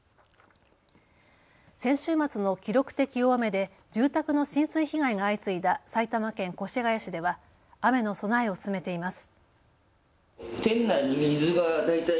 先週末の記録的大雨で住宅の浸水被害が相次いだ埼玉県越谷市では雨の備えを進めています。